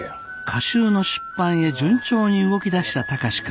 歌集の出版へ順調に動きだした貴司君。